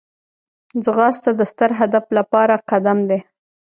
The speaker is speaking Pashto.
ځغاسته د ستر هدف لپاره قدم دی